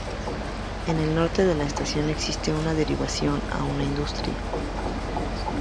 En el norte de la estación existe una derivación a una industria.